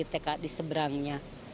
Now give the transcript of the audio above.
sekolah di tkd seberangnya